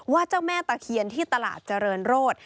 เจ้าแม่ตะเคียนที่ตลาดเจริญโรธ